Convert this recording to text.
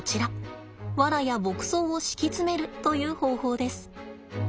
ワラや牧草を敷き詰めるという方法です。